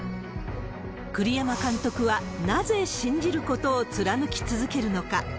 栗山監督は、なぜ信じることを貫き続けるのか。